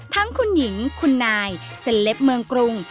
ทั้งคุณหญิงคุณนายเซลปเมืองกรุง